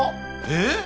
えっ！？